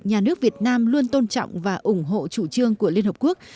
nhà nước việt nam luôn tôn trọng và ủng hộ chủ trương của liên hợp quốc